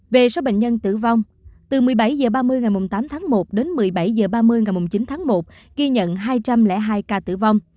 về số bệnh nhân tử vong từ một mươi bảy h ba mươi ngày tám tháng một đến một mươi bảy h ba mươi ngày chín tháng một ghi nhận hai trăm linh hai ca tử vong